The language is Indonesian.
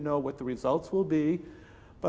saya tidak tahu hasilnya